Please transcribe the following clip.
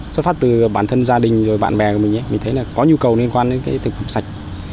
xuất phát từ bản thân gia đình rồi bạn bè của mình mình thấy là có nhu cầu liên quan đến cái thực phẩm sạch